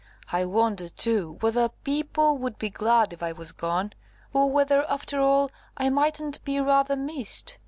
I wonder, too, whether people would be glad if I was gone; or whether, after all, I mightn't be rather missed?